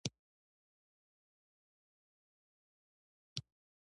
په کال کې ضروري مواد په ځمکه کې ور زیات کړو.